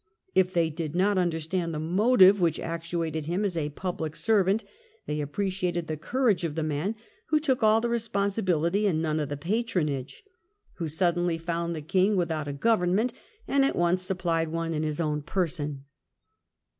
If they did not understand the motive which actuated him as a public servant, they appreciated the courage of the man who took all the responsibility and none of the patronage ; X FOREIGN MINISTER 247 who suddenly found the King without a Government, and at once supplied one in his own person.